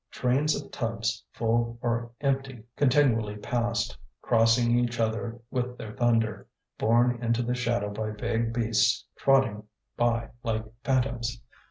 Trains of tubs, full or empty, continually passed, crossing each other with their thunder, borne into the shadow by vague beasts trotting by like phantoms.